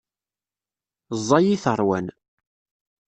Ẓẓay-it ṛwan.